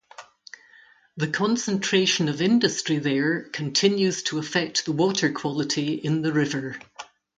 The concentration of industry there continues to affect the water quality in the river.